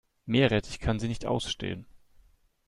Meerrettich kann sie nicht ausstehen.